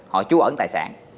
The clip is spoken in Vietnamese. họ trú ẩn tài sản